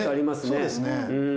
そうですね。